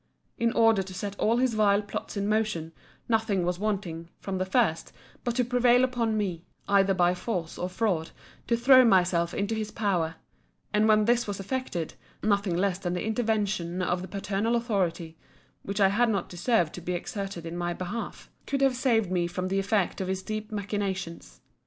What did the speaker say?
In order to set all his vile plots in motion, nothing was wanting, from the first, but to prevail upon me, either by force or fraud, to throw myself into his power: and when this was effected, nothing less than the intervention of the paternal authority, (which I had not deserved to be exerted in my behalf,) could have saved me from the effect of his deep machinations.